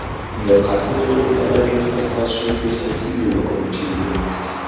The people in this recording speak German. In der Praxis wurden sie allerdings fast ausschließlich als Diesellokomotive genutzt.